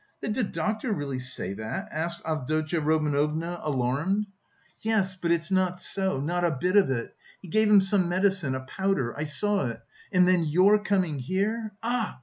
"Did the doctor really say that?" asked Avdotya Romanovna, alarmed. "Yes, but it's not so, not a bit of it. He gave him some medicine, a powder, I saw it, and then your coming here.... Ah!